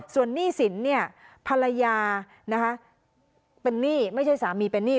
ส่วนหนี้สินเนี่ยภรรยานะคะเป็นหนี้ไม่ใช่สามีเป็นหนี้